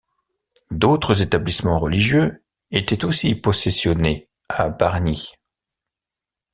D'autres établissements religieux étaient aussi possessionnés à Bargny.